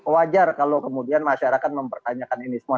wajar kalau kemudian masyarakat mempertanyakan ini semua